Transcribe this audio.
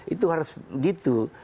itu harus gitu